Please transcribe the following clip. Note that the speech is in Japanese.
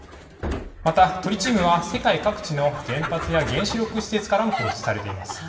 また、トリチウムは世界各地の原発や原子力施設からも放出されています。